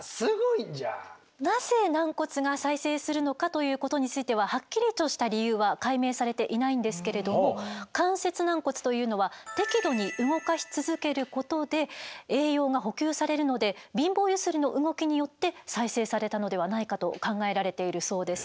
なぜ軟骨が再生するのかということについてははっきりとした理由は解明されていないんですけれども関節軟骨というのは適度に動かし続けることで栄養が補給されるので貧乏ゆすりの動きによって再生されたのではないかと考えられているそうです。